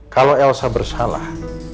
kalau elsa bersalah